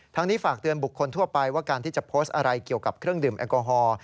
นี้ฝากเตือนบุคคลทั่วไปว่าการที่จะโพสต์อะไรเกี่ยวกับเครื่องดื่มแอลกอฮอล์